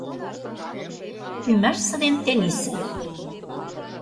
ӰМАШСЕ ДЕН ТЕНИЙСЕ